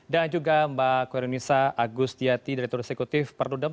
dan juga mbak kureunisa agus diyati direktur eksekutif perdudam